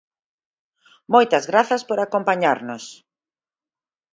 Moitas grazas por acompañarnos.